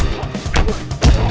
duh duh duh